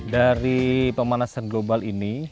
dari pemanasan global ini